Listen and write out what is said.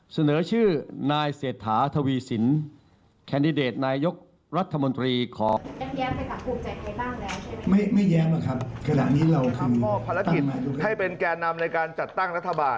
เสนอชื่อนายเศรษฐาทวีสินแคนดิเดตนายกรัฐมนตรีขอ